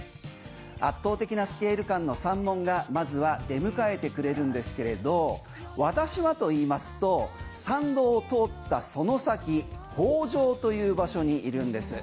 圧倒的なスケール感の三門がまずは出迎えてくれるんですが私はと言いますと参道を通ったその先方丈という場所にいるんです。